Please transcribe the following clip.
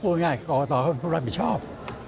พูดง่ายกรกตเขาต้องเป็นผู้รับผิดชอบ